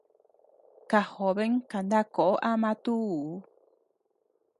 Kajoben kana koʼo ama tuu.